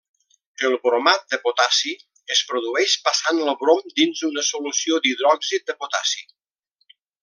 El bromat de potassi es produeix passant el brom dins una solució d’hidròxid de potassi.